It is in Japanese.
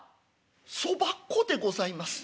「そば粉でございます。